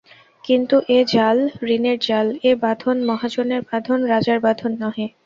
কিন্তু এ জাল ঋণের জাল, এ বাঁধন মহাজনের বাঁধন–রাজার বাঁধন নহে।